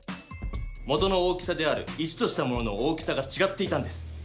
元の大きさである１としたものの大きさがちがっていたんです。